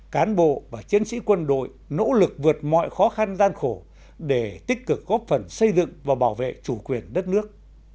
cán bộ và chiến sĩ quân đội nỗ lực vượt mọi khó khăn gian khổ để tích cực góp phần xây dựng và bảo vệ chủ quyền đất nước